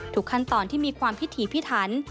ขั้นตอนที่มีความพิถีพิถัน